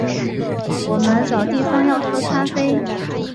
我们找地方要喝咖啡